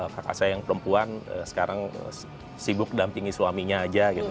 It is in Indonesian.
kakak saya yang perempuan sekarang sibuk dampingi suaminya aja gitu